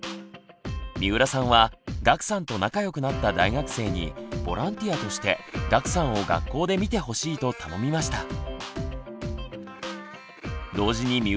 三浦さんは岳さんと仲よくなった大学生にボランティアとして岳さんを学校で見てほしいと頼みました。